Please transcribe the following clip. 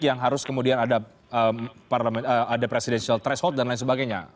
yang harus kemudian ada presidensial threshold dan lain sebagainya